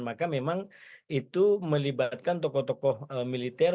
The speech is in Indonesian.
maka memang itu melibatkan tokoh tokoh militer